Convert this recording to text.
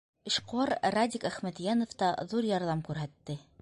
Эшҡыуар Радик Әхмәтйәнов та ҙур ярҙам күрһәтте.